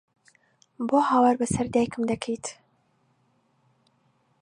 بۆ هاوار بەسەر دایکم دەکەیت؟!